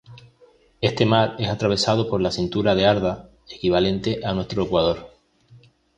Este mar es atravesado por la Cintura de Arda, equivalente a nuestro Ecuador.